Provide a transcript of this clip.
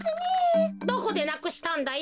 どこでなくしたんだよ？